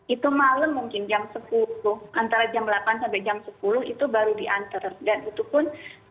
itu malem mungkin jam sepuluh antara jam delapan sampai jam sepuluh itu baru diantar dan itu pun